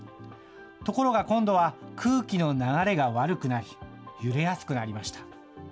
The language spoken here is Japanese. ところが今度は、空気の流れが悪くなり、揺れやすくなりました。